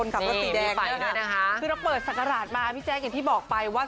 ตอนนี้มีไฟด้วยนะคะคือเราเปิดสักการาศมาพี่แจ๊งเห็นที่บอกไปว่า